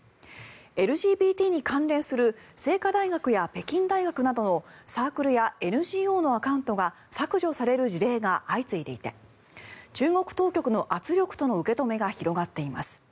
ＬＧＢＴに関連する清華大学や北京大学などのサークルやＮＧＯのアカウントが削除される事例が相次いでいて中国当局の圧力との受け止めが広がっています。